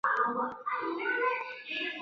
菩提树为板中的精神象征。